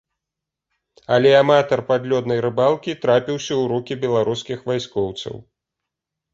Але аматар падлёднай рыбалкі трапіўся ў рукі беларускіх вайскоўцаў.